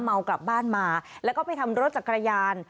เมากลับบ้านมาแล้วก็ไปทำรถจักรยาน